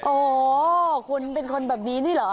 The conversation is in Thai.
โอ้โหคุณเป็นคนแบบนี้นี่เหรอ